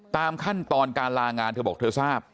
ตามขั้นตอนการลางานเธอบอกเธอทราบ